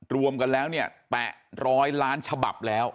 รวมกันแล้วเนี่ย๘๐๐ล้านฉบับแล้ว